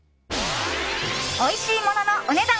おいしいもののお値段